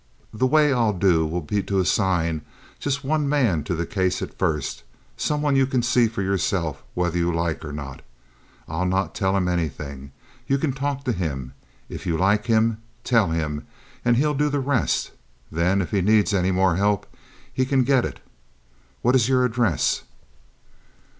The way I'll do will be to assign just one man to the case at first, some one you can see for yourself whether you like or not. I'll not tell him anything. You can talk to him. If you like him, tell him, and he'll do the rest. Then, if he needs any more help, he can get it. What is your address?"